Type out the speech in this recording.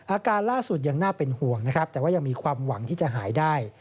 อาการล่าสุดยังน่าเป็นห่วงนะครับแต่ว่ายังมีความหวังที่จะหายได้